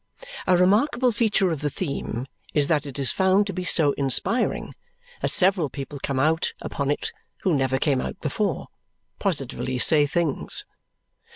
A remarkable feature of the theme is that it is found to be so inspiring that several people come out upon it who never came out before positively say things!